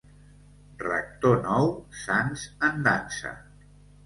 Rector nou, sants en dansa.